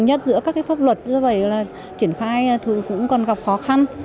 cũng nhất giữa các pháp luật như vậy là triển khai cũng còn gặp khó khăn